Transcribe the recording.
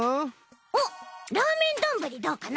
おっラーメンどんぶりどうかな？